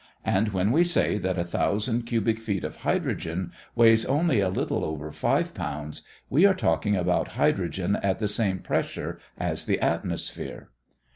And when we say that a thousand cubic feet of hydrogen weighs only a little over 5 pounds, we are talking about hydrogen at the same pressure as the atmosphere.